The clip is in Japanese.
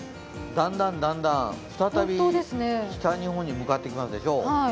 だんだん再び北日本に向かっていきますでしょう。